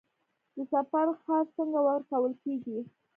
د سفر خرڅ څنګه ورکول کیږي؟